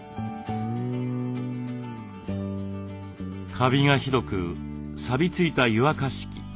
カビがひどくさびついた湯沸かし器。